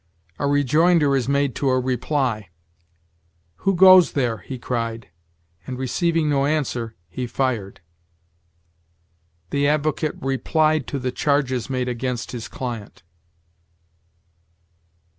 A rejoinder is made to a reply. "Who goes there?" he cried; and, receiving no answer, he fired. "The advocate replied to the charges made against his client."